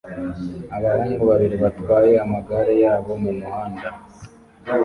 Abahungu babiri batwaye amagare yabo mumuhanda